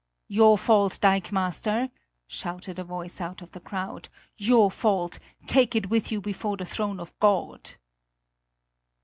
"Your fault, dikemaster!" shouted a voice out of the crowd; "your fault! Take it with you before the throne of God."